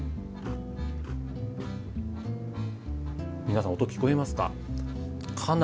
皆さん音聞こえますか？